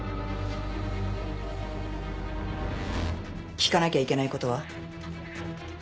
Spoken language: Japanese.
聞かなきゃいけないことは？